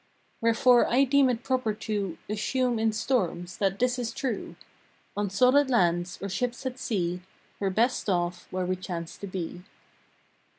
Wherefore I deem it proper to Assume in storms that this is true: On solid land or ships at sea We re best off where we chance to be.